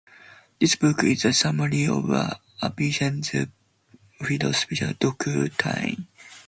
This book is the summary of Avicenna's philosophical doctrine.